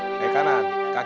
silahkan masuk masjid